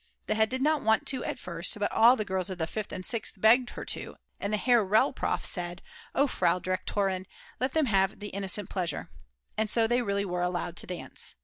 The head did not want to at first, but all the girls of the Fifth and Sixth begged her to, and the Herr Rel. Prof. said: "Oh, Frau Direktorin, let them have the innocent pleasure," and so they really were allowed to dance.